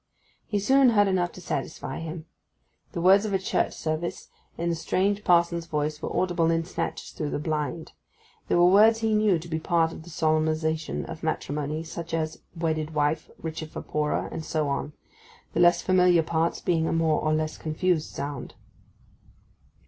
He soon heard enough to satisfy him. The words of a church service in the strange parson's voice were audible in snatches through the blind: they were words he knew to be part of the solemnization of matrimony, such as 'wedded wife,' 'richer for poorer,' and so on; the less familiar parts being a more or less confused sound.